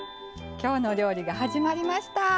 「きょうの料理」が始まりました。